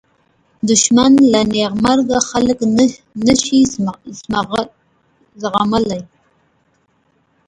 دښمن له نېکمرغه خلک نه شي زغملی